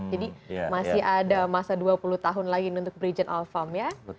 jadi masih ada masa dua puluh tahun lagi untuk brigjen alfahm ya